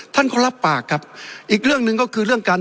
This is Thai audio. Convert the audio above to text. ท่านก็รับปากครับ